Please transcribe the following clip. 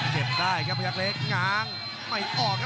เห็นได้ครับพยายามเล็กงานไม่ออก